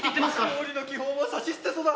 料理の基本は「さしすせそ」だ！